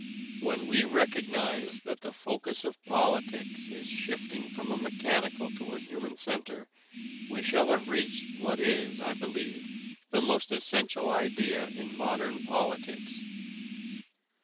When we recognize that the focus of politics is shifting from a mechanical to a human center we shall have reached what is, I believe, the most essential idea in modern politics.